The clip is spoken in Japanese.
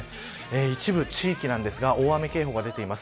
一部地域なんですが大雨警報が出ています。